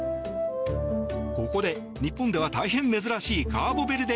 ここで日本では大変珍しいカーボベルデ